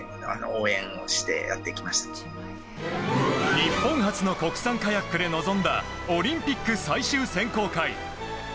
日本初の国産カヤックで臨んだオリンピック最終選考会。